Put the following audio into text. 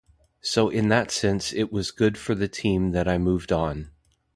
So in that sense it was good for the team that I moved on.